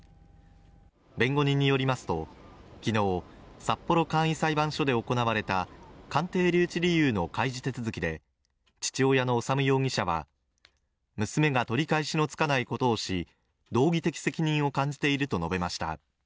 弁護人によりますと昨日、札幌簡易裁判所で行われた鑑定留置理由の開示手続きで父親の修容疑者は娘が取り返しのつかないことをし、道義的責任を感じていると述べました。